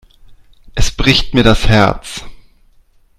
Es bricht mir das Herz.